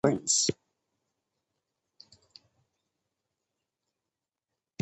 Win Htet Oo was born in Malaysia to Burmese parents.